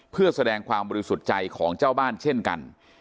เพื่อแสดงความบริสุทธิ์ใจของเจ้าบ้านเช่นกัน